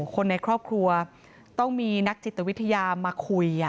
คนในครอบครัวต้องมีนักจิตวิทยามาคุย